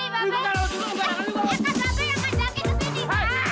iya nih bapak